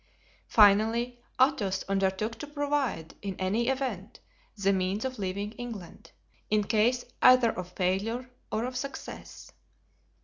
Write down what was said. Finally, Athos undertook to provide, in any event, the means of leaving England—in case either of failure or of success.